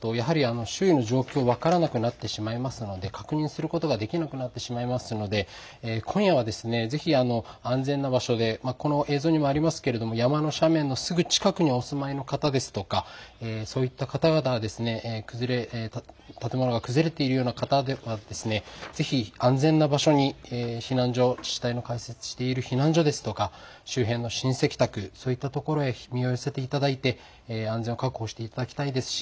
夜間ですと周囲の状況が分からなくなってしまいますので確認することができなくなってしまいますので今夜はぜひ、安全な場所でこの映像にもありありますけれど山の斜面のすぐ近くにお住まいの方ですとかそういった方々は建物が崩れているような方はぜひ安全な場所に避難所ですとか周辺の親戚宅、そういった所へ身を寄せていただいて安全を確保していただきたいですし